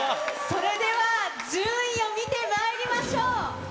それでは順位を見てまいりましょう。